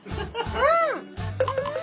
うん！